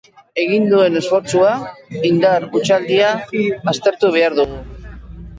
Egin duen esfortzua, indar hustualdia aztertu behar dugu.